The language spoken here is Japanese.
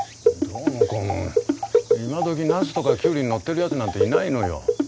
どうもこうも今どきナスとかキュウリに乗ってるやつなんていないのよ。